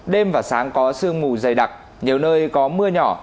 đêm và sáng có sương mù dày đặc nhiều nơi có mưa nhỏ